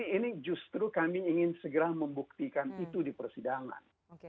ini justru kami ingin segera membuktikan itu di persidangan